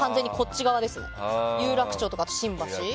あとは有楽町とか新橋。